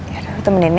ya taruh temenin ya